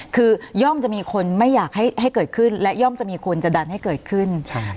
คือย่อมจะมีคนไม่อยากให้เกิดขึ้นและย่อมจะมีคนจะดันให้เกิดขึ้น